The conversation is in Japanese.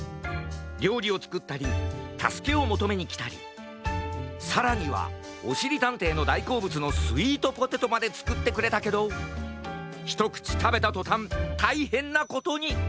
りょうりをつくったりたすけをもとめにきたりさらにはおしりたんていのだいこうぶつのスイートポテトまでつくってくれたけどひとくちたべたとたんたいへんなことに！